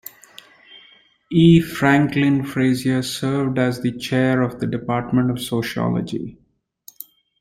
E. Franklin Frazier served as chair of the Department of Sociology.